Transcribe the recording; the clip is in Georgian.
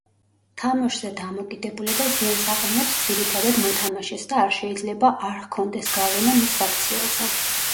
თამაშზე დამოკიდებულება ზიანს აყენებს ძირითადად მოთამაშეს და შეიძლება არ ჰქონდეს გავლენა მის საქციელზე.